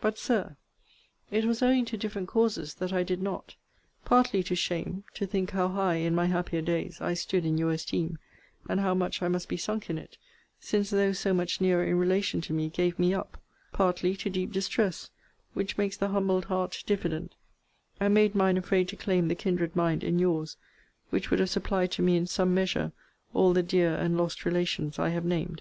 But, Sir, it was owing to different causes that I did not; partly to shame, to think how high, in my happier days, I stood in your esteem, and how much I must be sunk in it, since those so much nearer in relation to me gave me up; partly to deep distress, which makes the humbled heart diffident; and made mine afraid to claim the kindred mind in your's, which would have supplied to me in some measure all the dear and lost relations I have named.